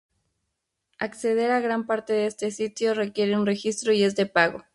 Acceder a gran parte de este sitio requiere un registro y es de pago.